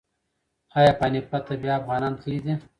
ایا پاني پت ته بیا افغانان تللي دي؟